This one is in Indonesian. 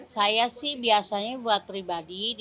saya sih biasanya buat pribadi